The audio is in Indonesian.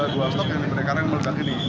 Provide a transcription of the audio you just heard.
dua stok yang mereka yang meledak ini